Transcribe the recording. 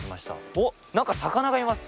おっなんか魚がいます。